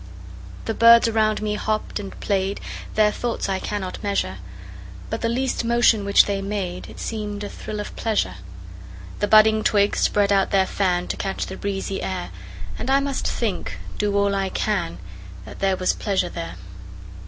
The birds around me hopped and played, Their thoughts I cannot measure: But the least motion which they made It seemed a thrill of pleasure. The budding twigs spread out their fan, To catch the breezy air; And I must think, do all I can, That there was pleasure there.